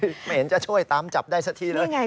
คือไม่เห็นจะช่วยตามจับได้สักทีเลย